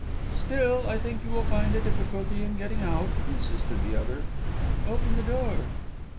"Still I think you will find a difficulty in getting out," insisted the other. "Open the door."